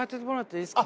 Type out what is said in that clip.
いいですか？